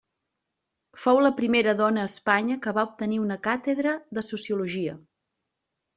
Fou la primera dona a Espanya que va obtenir una càtedra de Sociologia.